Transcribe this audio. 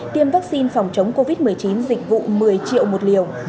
tiêm vaccine phòng chống covid một mươi chín dịch vụ một mươi triệu một liều